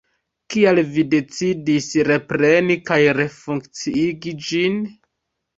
Kial vi decidis repreni kaj refunkciigi ĝin?